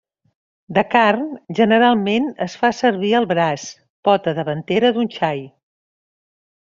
De carn, generalment es fa servir el braç, pota davantera d'un xai.